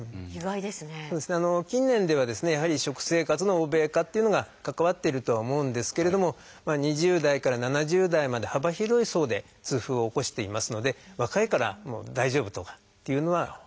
近年ではですねやはり食生活の欧米化っていうのが関わってるとは思うんですけれども２０代から７０代まで幅広い層で痛風を起こしていますので若いから大丈夫とかっていうのは。